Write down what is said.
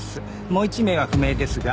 もう一名は不明ですが。